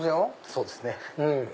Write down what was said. そうですね。